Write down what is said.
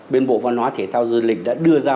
bên bộ văn hóa thể thao du lịch đã đưa ra